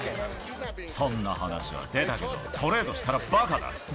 そんな話は出たけど、トレードしたらばかだ。